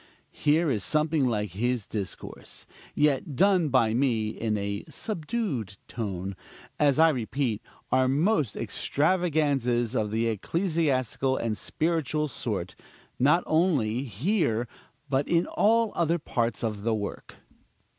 Here is something like his discourse yet done by me in a subdued tone as, I repeat, are most extravaganzas of the ecclesiastical and spiritual sort, not only here, but in all other parts of the work.